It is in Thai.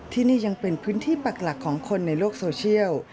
ที่นี่ยังเป็นพื้นที่ปักหลักของคนในโลกโซเชียล